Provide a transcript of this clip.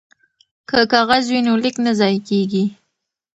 که کاغذ وي نو لیک نه ضایع کیږي.